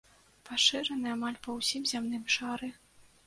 Пашыраны амаль па ўсім зямным шары.